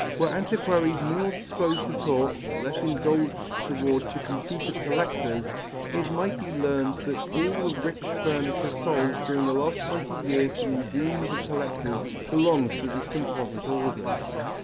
Were antiquaries more disposed to talk or less indulgent towards the conceit of collectors, it might be learnt that all the rich furniture sold during the last twenty years to museums and collectors belongs to this composite order.